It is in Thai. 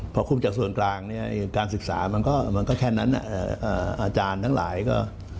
พอคุมจากส่วนกลางเนี่ยการศึกษามันก็แค่นั้นอาจารย์ทั้งหลายก็